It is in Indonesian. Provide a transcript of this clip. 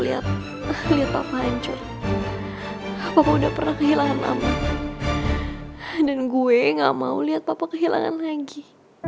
lihat lihat papa hancur papa udah pernah kehilangan nama dan gue nggak mau lihat papa kehilangan lagi